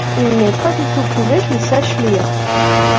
Il n’est pas du tout prouvé qu’il sache lire.